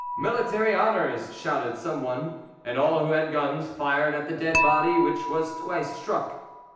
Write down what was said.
"Military honours!" shouted some one, and all who had guns fired at the dead body, which was twice struck.